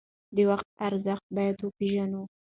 د وخت ارزښت باید وپیژنو.